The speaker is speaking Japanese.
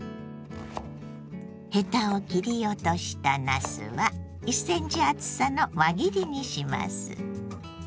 ヘタを切り落としたなすは１ｃｍ厚さの輪切りにします。